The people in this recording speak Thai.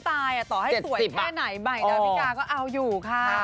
ต่อให้สวยแค่ไหนใหม่ดาวิกาก็เอาอยู่ค่ะ